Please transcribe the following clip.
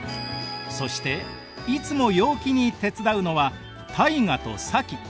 そしていつも陽気に手伝うのは汰雅と早紀。